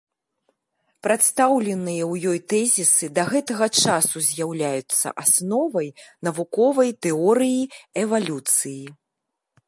Прадстаўленыя ў ёй тэзісы да гэтага часу з'яўляюцца асновай навуковай тэорыі эвалюцыі.